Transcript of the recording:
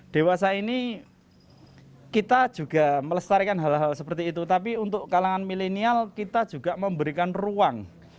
dewasa ini kita juga melestarikan hal hal seperti itu tapi untuk kalangan milenial kita juga memberikan ruang